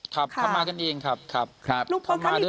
ครับเข้ามากันเองครับครับครับลูกคนค่ะมีประเด็นที่มัน